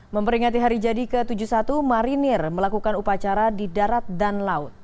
memperingati hari jadi ke tujuh puluh satu marinir melakukan upacara di darat dan laut